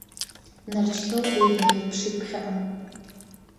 Нарџьхьоу уи днаирԥшит ԥхьаҟа.